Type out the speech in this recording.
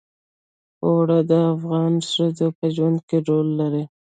اوړي د افغان ښځو په ژوند کې رول لري.